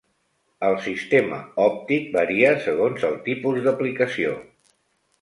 El sistema òptic varia segons el tipus d'aplicació.